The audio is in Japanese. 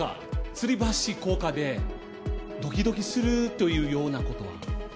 吊り橋効果でドキドキするというようなことは？